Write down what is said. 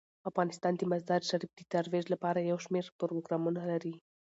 افغانستان د مزارشریف د ترویج لپاره یو شمیر پروګرامونه لري.